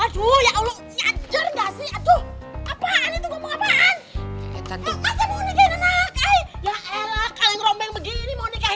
aduh ya allah